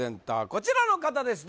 こちらの方です